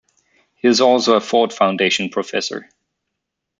He is also a Ford Foundation Professor.